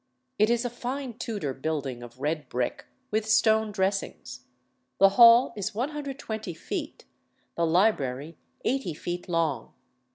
It is a fine Tudor building of red brick, with stone dressings. The hall is 120 feet, the library 80 feet long.